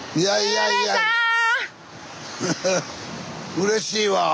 うれしいわぁ。